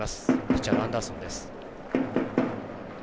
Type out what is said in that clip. ピッチャーのアンダーソンです。